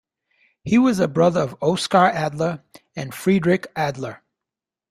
He was a brother of Oskar Adler and Friedrich Adler.